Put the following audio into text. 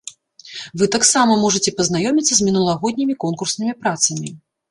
Вы таксама можаце пазнаёміцца з мінулагоднімі конкурснымі працамі.